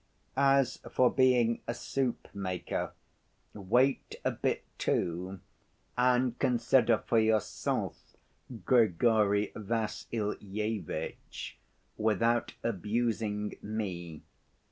"As for being a soup‐maker, wait a bit, too, and consider for yourself, Grigory Vassilyevitch, without abusing me.